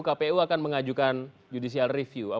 kpu akan mengajukan judicial review